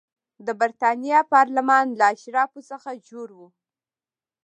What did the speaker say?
د برېټانیا پارلمان له اشرافو څخه جوړ و.